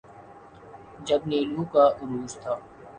جب نیلو کا عروج تھا۔